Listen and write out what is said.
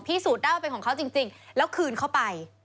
พิสูจน์ได้ว่าเป็นของเขาจริงแล้วคืนเข้าไป